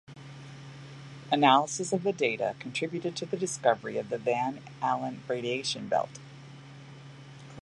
Analysis of the data contributed to the discovery of the Van Allen radiation belt.